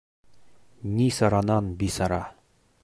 Ни саранан бисара.